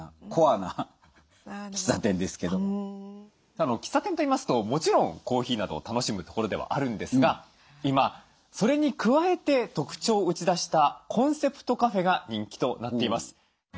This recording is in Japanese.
さあ喫茶店といいますともちろんコーヒーなどを楽しむ所ではあるんですが今それに加えて特徴を打ち出したコンセプトカフェが人気となっています。